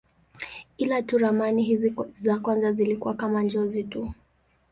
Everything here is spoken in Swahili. Ila tu ramani hizi za kwanza zilikuwa kama njozi tu.